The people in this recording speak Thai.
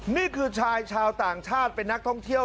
นี่คือชายชาวต่างชาติเป็นนักท่องเที่ยว